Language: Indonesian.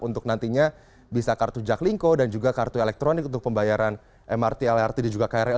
untuk nantinya bisa kartu jaklingko dan juga kartu elektronik untuk pembayaran mrt lrt dan juga krl